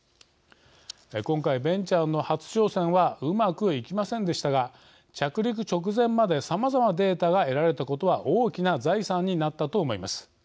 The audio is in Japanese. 今回ベンチャーの初挑戦はうまくいきませんでしたが着陸直前までさまざまデータが得られたことは大きな財産になったと思います。